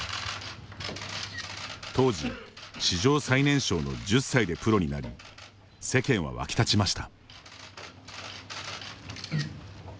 当時史上最年少の１０歳でプロになり世間は沸き立ちました。